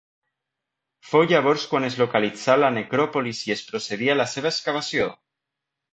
Fou llavors quan es localitzà la necròpolis i es procedí a la seva excavació.